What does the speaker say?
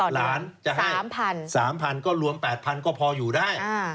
หลานจะให้๓๐๐๓๐๐ก็รวม๘๐๐ก็พออยู่ได้